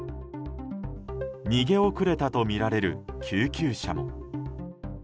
逃げ遅れたとみられる救急車も。